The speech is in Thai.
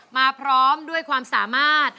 พร้อมด้วยความสามารถ